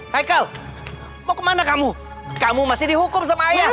hai kal mau kemana kamu kamu masih dihukum sama ayah